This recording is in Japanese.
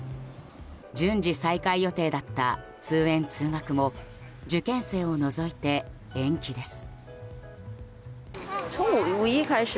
順次再開予定だった通園・通学も受験生を除いて延期です。